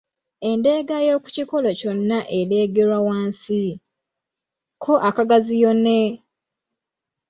Endeega y’oku kikolo kyonna ereegerwa wansi, ko akagaziyo ne